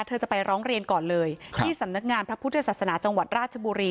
จะไปร้องเรียนก่อนเลยที่สำนักงานพระพุทธศาสนาจังหวัดราชบุรี